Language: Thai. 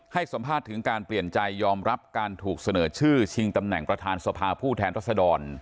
ให้สัมภาษณ์ถึงการเปลี่ยนใจยอมรับการถูกเสนอชื่อชิงตำแหน่งประธานสภาผู้แทนรัศดร